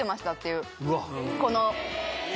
この。